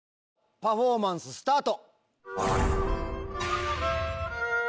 パフォーマンススタート。